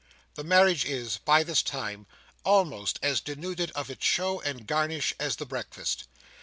The marriage is, by this time, almost as denuded of its show and garnish as the breakfast.